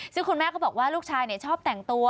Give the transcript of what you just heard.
ซึ่งคุณแม่ก็บอกว่าลูกชายชอบแต่งตัว